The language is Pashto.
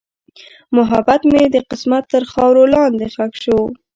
محبت مې د قسمت تر خاورو لاندې ښخ شو.